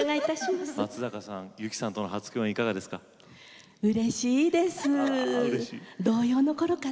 松坂さん、由紀さんとの初共演はいかがですか？